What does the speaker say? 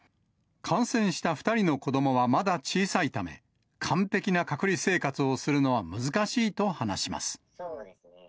感染した２人の子どもはまだ小さいため、完璧な隔離生活をするのは難しいと話します。